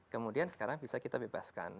kemudian sekarang bisa kita bebaskan